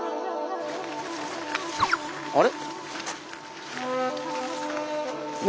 あれ？